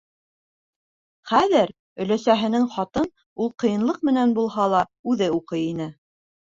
Хәҙер өләсәһенең хатын ул ҡыйынлыҡ менән булһа ла үҙе уҡый ине.